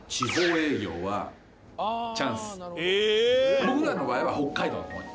僕らの場合は北海道の方に。